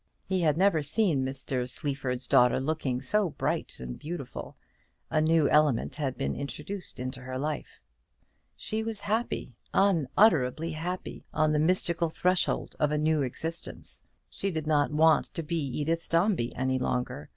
He had never seen Mr. Sleaford's daughter looking so bright and beautiful. A new element had been introduced into her life. She was happy, unutterably happy, on the mystical threshold of a new existence. She did not want to be Edith Dombey any longer.